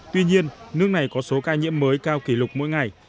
tuy nhiên nước này có số ca nhiễm mới cao kỷ lục mỗi ngày